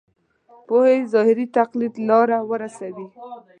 پوهې ظاهري تقلید لاره ورسوي.